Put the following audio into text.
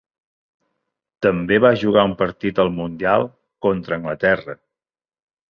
També va jugar un partit al Mundial contra Anglaterra.